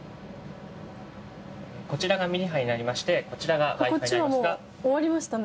こちらがミリ波になりましてこちらがＷｉ−Ｆｉになりますが。